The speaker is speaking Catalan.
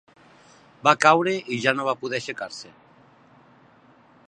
Va caure i ja no va poder aixecar-se.